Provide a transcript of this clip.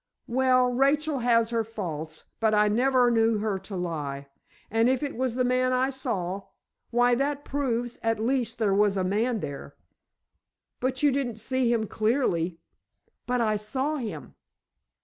"Well, Rachel has her faults, but I never knew her to lie. And if it was the man I saw—why, that proves, at least, there was a man there." "But you didn't see him clearly." "But I saw him."